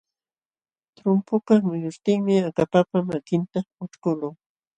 Trumpukaq muyuśhtinmi akapapa makinta ućhkuqlun.